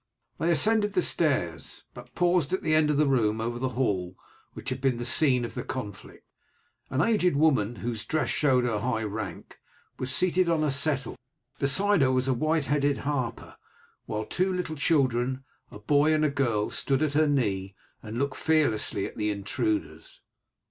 They ascended the stairs, but paused at the end of the room over the hall which had been the scene of the conflict. An aged woman, whose dress showed her high rank, was seated on a settle; beside her was a white headed harper, while two little children, a boy and a girl, stood at her knee and looked fearlessly at the intruders.